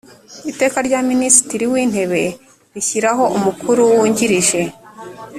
iteka rya minisitiri w’intebe rishyiraho umukuru wungirije